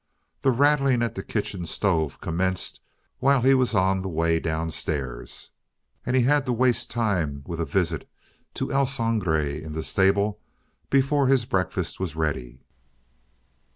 The rattling at the kitchen stove commenced while he was on the way downstairs. And he had to waste time with a visit to El Sangre in the stable before his breakfast was ready.